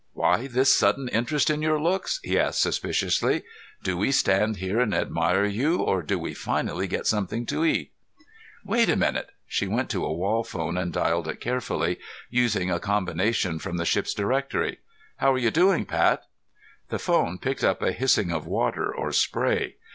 "Why this sudden interest in your looks?" he asked suspiciously. "Do we stand here and admire you, or do we finally get something to eat?" "Wait a minute." She went to a wall phone and dialed it carefully, using a combination from the ship's directory. "How're you doing, Pat?" The phone picked up a hissing of water or spray.